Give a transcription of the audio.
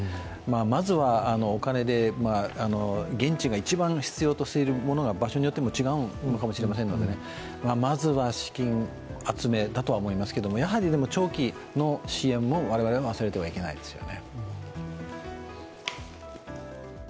まずはお金で現地が必要としているものが場所によって違うのかもしれませんしまずは資金集めだと思いますけど、やはり長期の支援も、我々は忘れてはいけないですね。